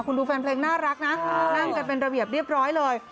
คุณดูแฟนเพลงน่ารักนะนั่งกันเป็นระเบียบเรียบร้อยเลย